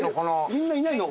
みんないないの？